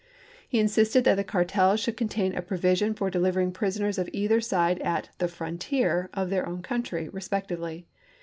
He insisted that the cartel should contain a provision for delivering prisoners of either side at " the frontier " of their own country, respectively.